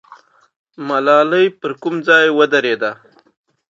ملالۍ پر کوم ځای ودرېده؟